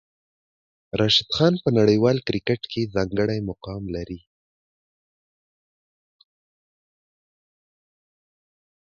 راشد خان په نړیوال کرکټ کې ځانګړی مقام لري.